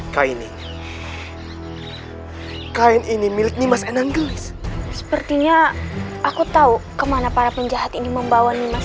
kaini kain ini milik nimas enanggelis sepertinya aku tahu kemana para penjahat ini membawa nimas